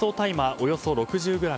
およそ６０ｇ